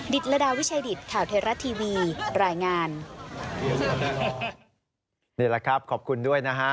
นี่แหละครับขอบคุณด้วยนะฮะ